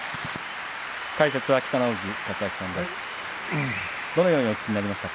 解説は北の富士勝昭さんでした。